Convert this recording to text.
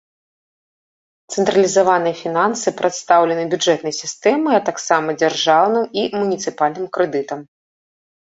Цэнтралізаваныя фінансы прадстаўлены бюджэтнай сістэмай, а таксама дзяржаўным і муніцыпальным крэдытам.